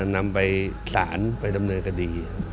นำไปสารไปดำเนินคดี